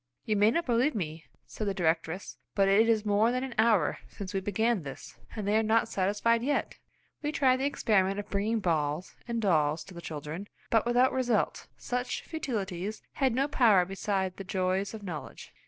"You may not believe me," said the directress, "but it is more than an hour since we began this, and they are not satisfied yet!" We tried the experiment of bringing balls, and dolls to the children, but without result; such futilities had no power beside the joys of knowledge.